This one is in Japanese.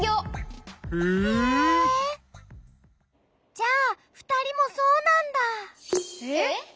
じゃあふたりもそうなんだ。えっ！？